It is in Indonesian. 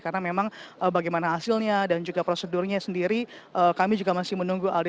karena memang bagaimana hasilnya dan juga prosedurnya sendiri kami juga masih menunggu aldi